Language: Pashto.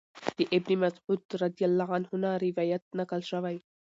د ابن مسعود رضی الله عنه نه روايت نقل شوی